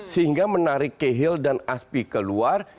sehingga menarik kehil dan aspi keluar